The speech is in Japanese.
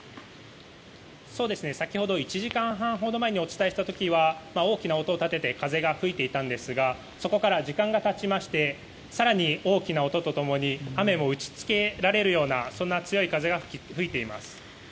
先ほど１時間半ほど前にお伝えした時は大きな音を立てて風が吹いていたんですがそこから時間が経ちまして更に大きな音と共に雨も打ち付けられるようなそんな強い風が吹いています。